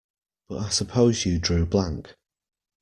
But I suppose you drew blank?